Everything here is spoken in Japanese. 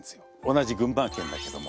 同じ群馬県だけども。